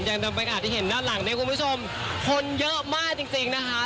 อย่างที่เห็นด้านหลังคุณผู้ชมคนเยอะมากจริงนะคะ